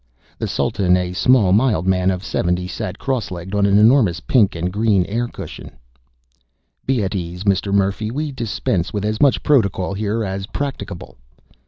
The Sultan, a small mild man of seventy, sat crosslegged on an enormous pink and green air cushion. "Be at your ease, Mr. Murphy. We dispense with as much protocol here as practicable."